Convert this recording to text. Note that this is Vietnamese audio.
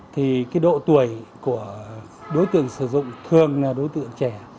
thì độ tuổi của đối tượng sử dụng thường là đối tượng trẻ